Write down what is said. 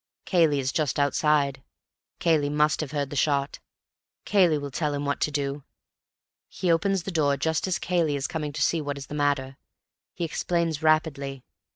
"Cayley is just outside, Cayley must have heard the shot, Cayley will tell him what to do. He opens the door just as Cayley is coming to see what is the matter. He explains rapidly.